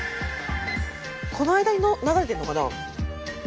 この間に流れてるのかな？